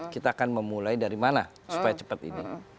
kita akan memulai dari mana supaya cepat ini